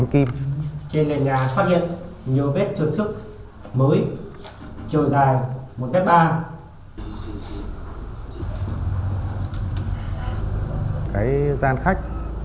con dao này